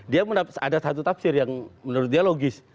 dia ada satu tafsir yang menurut dia logis